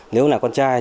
nếu nào con trai